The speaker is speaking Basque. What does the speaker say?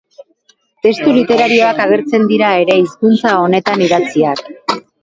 Testu literarioak agertzen dira ere hizkuntza honetan idatziak.